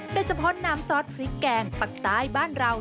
โดยเฉพาะน้ำซอสพริกแกงปักใต้บ้านเรา